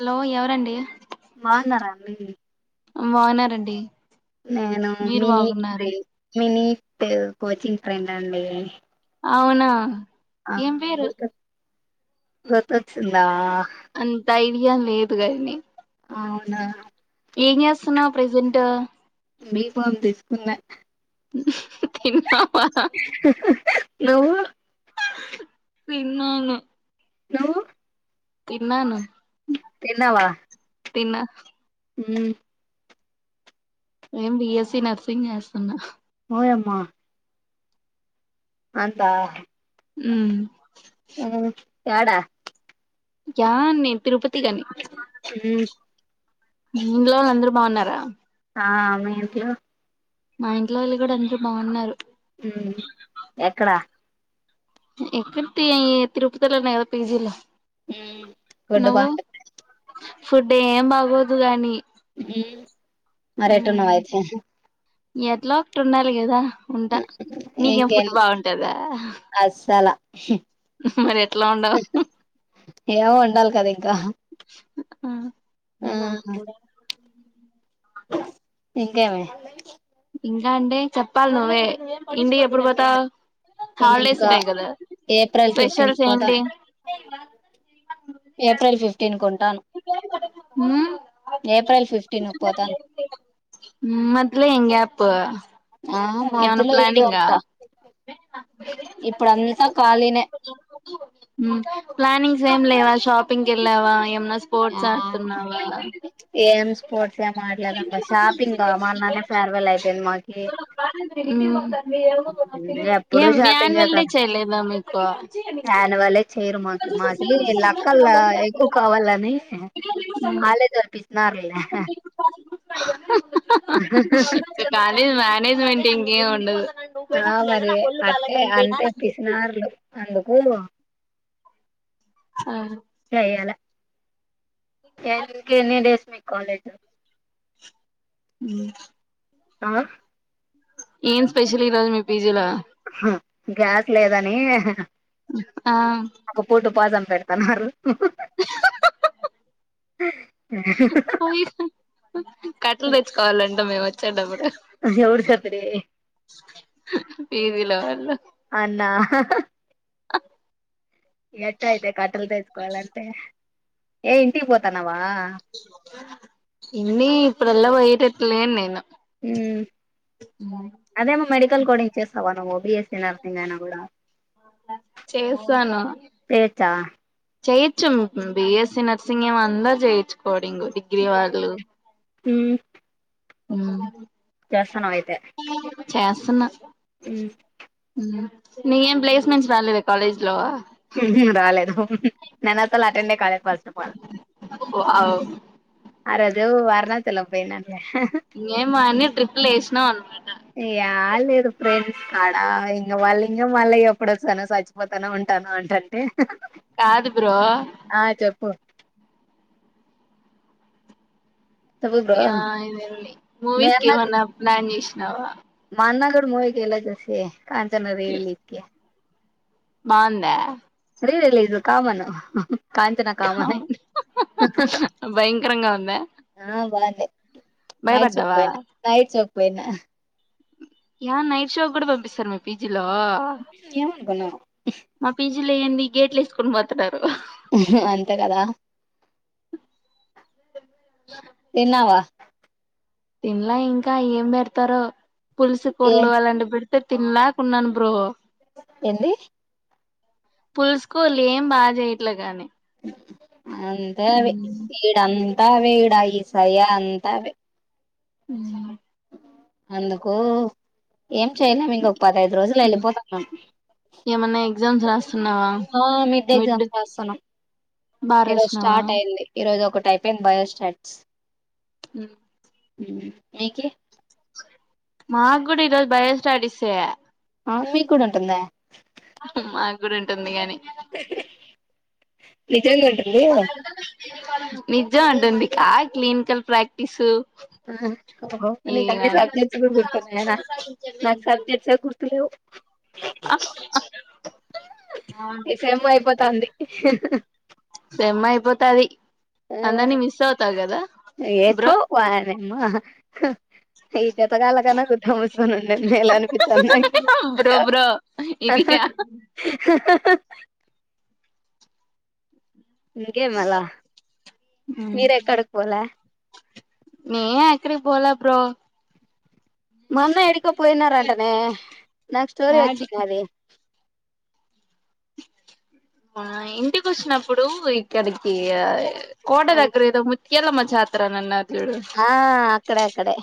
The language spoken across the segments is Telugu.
హలో ఎవరండి బాగున్నారా అండి బాగున్నారండి. నేను మీరు మినీట్ బాగున్నారా బ్రేక్ మినీట్ కోచింగ్ ఫ్రెండ్ అండి. అవునా ఆ ఏం పేరు గుర్తు వచ్చిందా ఇయా లేదు కదనే అవునా ఏం చేస్తున్నావ్ ప్రెజెంట్ బి ఫార్మ్ తీసుకున్నా అ [unintelligible] తిన్నావా నువ్వు తిన్నాను నువ్వు తిన్నాను తిన్నావా తిన్నా హ్మ్ నేను బి ఎస్ సీ నర్సింగ్ చేస్తున్నా ఓయ్ అమ్మా అంతా హు యాడ జాన్ తిరుపతి గాని హు ఇంట్లో వాళ్ళు అందరు బాగున్నారా ఆ మీ ఇంట్లో మా ఇంట్లో వాళ్ళు కూడా అంతే బావున్నారు. హు ఎక్కడా ఎక్కడంటే తిరుపతిలోనే కదా పేజీలో హు ఫుడ్ బాగుంటదా ఫుడ్ ఏం బాగోదు గాని హ్మ్ మరి ఎటో ఉమ్, [unintelligible] ఎట్లా ఒకటి ఉండాలి కదా ఉంటా నీకేం ఎంగే ఫుడ్ బాగుంటదా అసాల మరి ఎట్లా ఉండవు యవో ఉండాలి కదా ఇంకా హ మీ నాన్న కూడా ఇంకేమీ ఇంకా అంటే చెప్పాలి నువ్వే ఇంటి ఎప్పుడుపోతవ్ హాలిడేస్ ఇంకా ఉన్నాయి కదా ఏప్రిల్ ఫిఫ్టీన్ కు స్పెషల్స్ ఏంటి పోతాను ఏప్రిల్ ఫిఫ్టీన్ కు ఉంటాను హు ఏప్రిల్ ఫిఫ్టీన్ కు పోతాను మద్దిలే ఎం గ్యాప్ ఆ ఏమన్నా మాధ్యలో ఈడే ప్లానింగా ఉంటా ఇప్పుడుంతా ఖాళీనే హు ప్లానింగ్స్ ఏం లేవా షాపింగ్ వెళ్ళవా ఎ ఆ ఏం స్పోర్ట్స్ ఏ ఆడేల్ దమ్మా షాపింగ్ ఆ మన్ననే ఫేర్వెల్ అయిపోయింది మాకి ఉ ఏ ఎప్పుడు షాపింగే యాన్యువల్ డే కదా చెలేద మీకు యాన్యువలే చేయరు మాకి మాకి లెక్కల్లా ఎక్కువ కావాలని కాలేజ్ వాళ్ళు పిసినారులే హు మనేజ్మెంట్ ఇంకేం ఉండదు ఆ మరి అట్టే అంతే పిసినారులు అందుకు ఆ చేయాల ఇంకేం డేస్మి కాలేజ్ హు ఆ ఏం స్పెషల్ ఈ రోజ్ మీ పిజీలా గ్యాస్ లేదని ఆ వాజం పెడుతన్నారు హ కట్టలు తెచ్చుకోవాలంట మేము వచ్చేటప్పుడు ఎవడు చెప్పిరి పీజీ లో వాళ్లు అన్నా ఎట్టు అయితే కట్టలు తెచ్చుకోవాలంటే ఏ ఇంటికి పోతాన్నవ ఇన్ని ఇప్పుడల్లా పోయేటట్లేని నేను అదేమో మడి ల్ కూడా చేస్తావా నువ్ బి. ఎస్సి నర్సింగ్ అయినా కూడా చేసాను చేయొచ్చా చేయించ్చు మ్ బి. ఎస్సి నర్సింగ్ ఏం అందర్ చేయొచ్చు కో యంగ్ డిగ్రీవాళ్ళు హ్మ్ ఆ చేస్తున్నావ్ అయితే చేస్తున్నా మ్మ్ నేక్ ఏం ప్లేస్మెంట్స్ రాలేదా కాలేజ్ లో హు హుమ్ రాలేదు నేను అసల్ అటెండే కాలే ఫస్ట్ ఆఫ్ ఆల్ వావ్ ఆ రోజు వారణాసి ఎల్లాం పోయినంకా ఇంగే మ్ ఆని ట్రిప్లు ఏసినా అన్ మా యా లేదు ఫ్రెండ్స్ కాడ ఇంగా వాళ్ళు ఇంగా మళ్ళ ఎప్పుడొస్తానో చచ్చిపోతానో ఉంటానో అంటాంటే కాదు బ్రో చెప్పు చెప్పు బ్రో మీ మూవీస్ కేమన్నా ప్లాన్ చేష్ నావా అన్నా గాడు మూవీ కి వెళ్ళొచ్చూసి కాంచన రియలిక్యా బాం దా రీడ లేదు కామను అవును హ్హ్హ్ భయంకరంగా ఉంద ఆ [unintelligible] పోయినా యా నైట్ షో కూడా పంపిస్తరా మీ పిజి లో ఏమనుకున్నావు మా పిజ ఇట్లా ఏంది గేట్లు వేసుకుని పోతున్నారు. ఊహు అంతే కదా [inaudible] తిన్నావా తిన్లా ఇంకా ఏం పెడతారో పులిసి ఏ కూరలు అలాంటి పెడ్ తి తిన్లాక ఉన్నాను బ్రో ఎంది పులుసుకోళు ఏం బాగా చేయట్లేగాని. [inaudible] అంతే అవి ఇడంత అవే ఇడా ఈసయ అంతవే [unintelligible] ఆ అందుకు ఏం చెయలే మీక ఒక పదహైదు రోజులు వెళ్ళిపోతాం మేము. ఏమన్నా ఎగ్జామ్స్ రాసి ఆ మిడ్ ఎగ్జామ్స్ రాస్తున్నాం బాగా ఈరోజు రాసినావా స్టార్ట్ అయింది ఈరోజు ఒకటి. అయిపోయింది బయోస్టాట్స్. ఊ హు మీకీ మాకు కూడా ఈరోజు బయలుస్టడిసే ఆ మీకూడా ఉంటందా? మాకు కూడా ఉంటుంది గాని హహ్ నిజంగా ఉంటంది. నిజం అంటుంది ఇ కా క్లినికల్ ప్రాక్టీసు హా చెప్పు బ్రో ఓహో నీక అన్నీ ఇవన్నీ సబ్జెక్ట్స్ గుర్తున్నాయ నాకు సబ్జెక్ట్స్ గుర్తులేవు. [unintelligible] ఈ సేమో అయిపోతుంది. హుహు సెమ్మ అయిపోతది. ఆ అందరినీ మిస్ అవుతావు కదా ఏఠో బ్రో వానేమ్మా ఇద తకాలగన్న! ! ! ! ! ! ముసుకని ఉన్నేది మేలు అనిపితాంది. [unintelligible] ఇంగే మళ మీరేక్కడకి పోలే నేను ఎక్కడికి పోలే బ్రో మన్న ఎడికో పోయినారంటనే నాకు స్టోరీ యాడికి వచ్చినాది. మా ఇంటికి వచ్చినప్పుడు ఇక్కడికియా కోట దగ్గర ఏదో ము కేలమ్మ జాతర నన్నా హా అక్కడ అక్కడే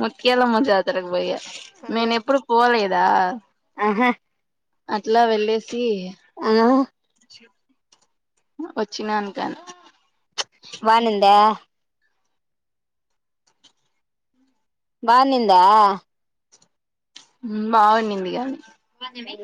ముత్యాలమ్మ జాతరకు పోయా నేను ఎప్పుడూ పోలే దా ఆహా అట్లా వెళ్లేే సి ఆ సి వచ్చినాన క బాగున్నిందా బాగున్నిందా బాగున్నింది గాని బంధి మే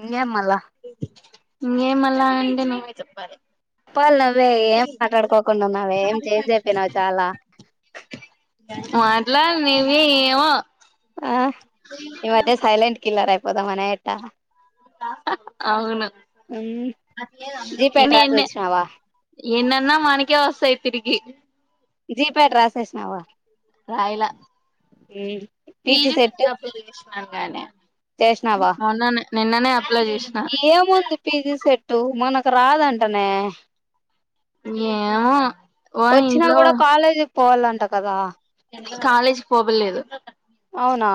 అ ఏం మల్ల ఇంకేం మల్ల అంటే నువ్వే చెప్పాలి పాల్ నువ్వే ఏం మాట్లాడుకోకుండా ఉన్నావు ఏం చేంజ్ అయిపోయినావు చాలా మాట్లాడు నువ్వే ఏమో ఆ ఇవ అట్లలే సైలెంట్ కిల్లర్ పోదామని ఎట్టా అవును జీపేట్ ఇన్ రాసి ఎన్ వచ్చినావా ఎన్ని అన్న మనకే వస్తాయి తిరిగి జిప్యాట్ రాసేసినావా రాయలే యూ పీజీ [unintelligible] అవుననే చేసినావా మన్ననే నిన్ననే అప్లై చేసిన ఏముంది పీజీ సెట్ టు మనకు రాదంటనే ఏమో వ వచ్చినా ఇంట్లో కూడా కాలేజీకి పోవాలంట కదా కాలేజీకి పోవలేదు అవునా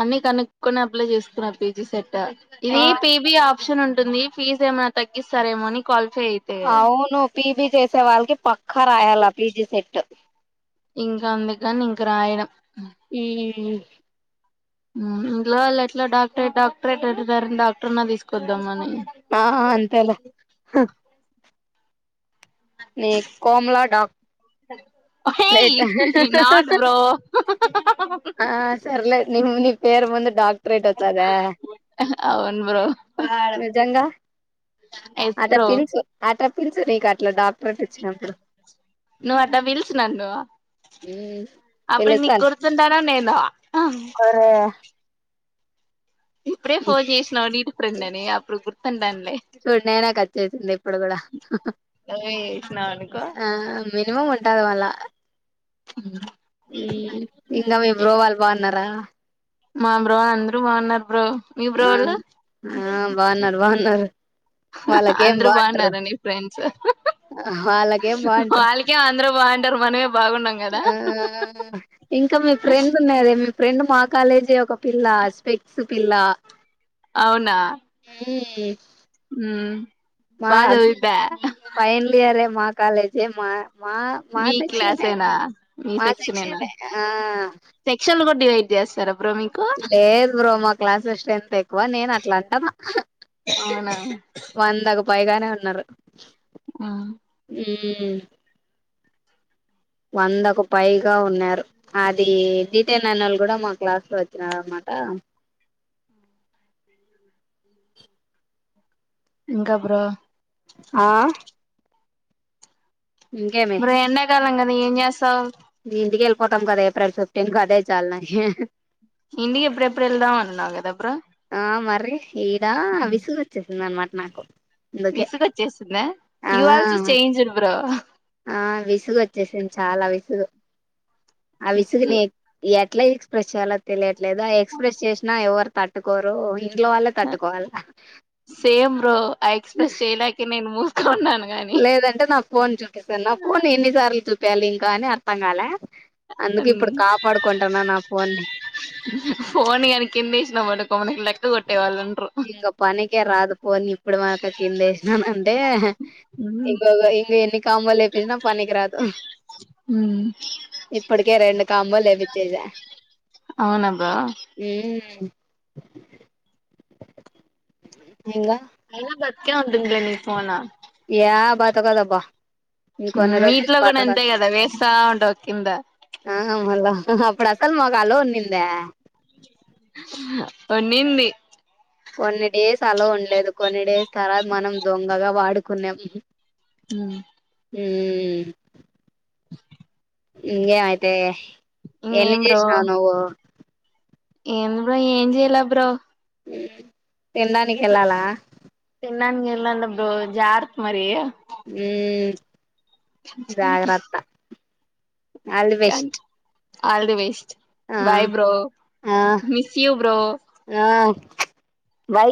అన్ని కనుక్కొని అప్లై చేస్తున్నారు పీజీ సెట్ క్ట ఇది ఆ పిబి ఆఫ్ ఆప్షన్ ఉంటుంది ఫీజ్ ఏమైనా తగ్గిస్తారేమో అని క్వాలిఫై అయితే అవును పీబి చేసే వాళ్ళకి పక్కా రాయాల పీబి సెట్ ఇంకా అందుకు అని ఇంక రాయడం ఈఈఈ ఉమ్ ఇంట్లో వాళ్ళు ఎట్లా డాక్టరేట్ డాక్టరేట్ అంటున్నారని డాక్టర్ నాన్న తీసుకొద్దామని ఆ అంతేలే హ ని కోమలా డాక్ ఉమ్ ఆ సర్లే నిమ్ ని పేరు ముందు డాక్టరేట్ వత్తాద అవును బ్రో నిజంగా ఎస్ ఆట బ్రో పిన్సు ఆట పిన్సు నీకట్ల డాక్ నువ్వు అట్లా పిల్సు నన్ను అప్పుడికి నీకు గుర్తుంటానా నేన్ నా ఒకరే ఇప్పుడే ఫోన్ జెస్నాడు వీడు ఫ్రెండ్ అని అప్పుడు గుర్తుండన్ సూడ్ నేనె కద చేసింది ఇప్పుడు కూడా నువ్వే చేసినావు అనుకో ఆ మినిమం ఉం కాదు మళ్లా అవునా ఉమ్ ఇంగా మీ బ్రో వాళ్ళు బాగున్నారా మా బ్రో అందరూ బాగున్నారు బ్రో మీ బ్రో ఆ లు ఆ బాగున్నారు బాగున్నారు వాళ్ళకేం అందరు బాగుంటారు బాగున్నార ని ఫ్రెండ్స్ వాళ్ళకేం బాగుంటారు వాళ్ళకేం అందరు వాండర్ మనేమే ఆ ఇంకా మీ ఫ్రెండ్ ఉన్నాదే మీ ఫ్రెండ్ మా కాలేజే ఒక పిల్ల స్పెడ్స్ పిల్ల అవునా ఉమ్ ఉమ్ బాచదివిద్దా హ ఫైనల్ ఇయరే మా కాలేజే మా మా మీ మాసెక్షనే. క్లాసేనా మీ సెక్షనేనా మాసెక్షనే. ఆ యితే ఎంచేస్తనం. లేదు బ్రో మాక్ క్లాస్ల స్ట్రెంత్ ఎ ఓ నేను అట్లా అంటనా. హ్ అవునా వందకు పైగానే ఉన్నారు. ఆ హ్ వందకు పైగా ఉన్నారు. అది డీటెయిన్ అయినోళ్లు కూడా మా క్లాస్ లో వచ్చినారన్నమాట. ఇంకా బ్రో ఆ ఇంకేమి ఇబ్బుడు ఎండాకాలం కద మరి ఏం చేస్తావ్ ఇంటికి వెళ్ళిపోతాం కదా ఏప్రిల్ ఫిఫ్టీన్ కి అదే చాలు నాకి ఇంటికి ఎప్పుడు ఎప్పుడు వెళ్దాం అన్నావ్ కదా బ్రో ఆ మర్రి ఈడ విసుగు వచ్చేసింది అనమా నాకు అందుకే విసుగొచ్చేసిందా ఆ యు ఆల్సో చేంజ్డ్ బ్రో. ఆ విసుగు వచ్చేసింది. చాలా విసుగు. ఆ విసుగు విసుగులే ఏ ఎట్లా ఎక్స్ప్రెస్ చేయలో తెలియట్లేదు. ఆ ఎక్స్ప్రెస్ చేసినా ఎవరు తట్టుకోరు. ఈ హ సేమ్ బ్రో ఆ ఎక్స్ప్రెస్ చేయలేకే నేను మూస్ కున్నాను. లేదంటే నా ఫోన్ చూపిస్తాను. నా ఫోన్ ఎన్ని సార్లు చూప్ పెళ్లి ఇంకా అని అర్థం కాలే. అందుకు ఇప్పుడు కాపాడుకుంటున్నా నా ఫోన్ని. నముఅను ఇంగా పనికే రాదుపోని ఇప్పుడు దాక కింద ఎసినాను అంటే ఉమ్ ఇగోగో ఎన్ని కామాలే అయిన పనికిరాదు. ఇప్పటికే రెండు కమ్మాలేపిచ్చేసా. అవునబ్బా. ఇంగా అయినా బతికే ఉంటుంది లే నీ ఫోను. యా బతకదబ్బా ఇంకొన్ని రోజులు నీట్లో కూడా అంతే బతకదు కదా వేస్తా ఉంటావు కింద ఆ మల్ల హ అప్పుడు అసలు మాకు అలో ఉన్నిందా కొన్నింది కొన్ని డేస్ అలో ఉండలేదు. కొన్ని డేస్ తర్వాత మనం దొంగగా వాడుకున్నాం. ఆ ఊం ఇంగే అయితే ఎన్ని ఇంకేం బ్రో చేసినావు నువ్వు ఏం బ్రో ఏం చెయాల బ్రో. ఉ తినడానికెళ్ళాలా. నడానికి ఎళ్ళాలట బ్రో జాగ్రత్త మరి. ఊ మ్ జాగ్రత్త all the best all the best ఆ బాయ్ బ్రో ఆ మిస్ యు బ్రో వై